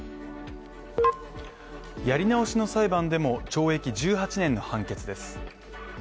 やり直しの裁判でも懲役１８年の判決です。